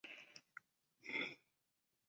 官至两浙都转盐运使司盐运使。